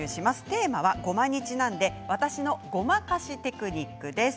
テーマは、ごまにちなんで私のごまかしテクニックです。